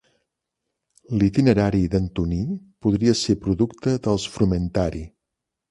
L'Itinerari d'Antoní podria ser producte dels frumentari.